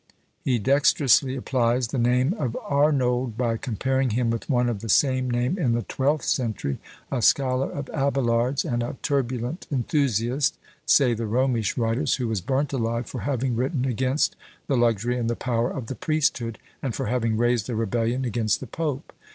He dexterously applies the name of Arnauld by comparing him with one of the same name in the twelfth century, a scholar of Abelard's, and a turbulent enthusiast, say the Romish writers, who was burnt alive for having written against the luxury and the power of the priesthood, and for having raised a rebellion against the pope.